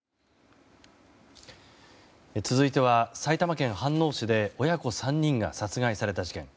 続いては埼玉県飯能市で親子３人が殺害された事件。